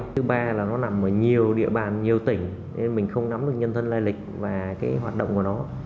thứ ba là nó nằm ở nhiều địa bàn nhiều tỉnh nên mình không nắm được nhân thân lai lịch và cái hoạt động của nó